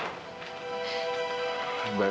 bye kamu istirahat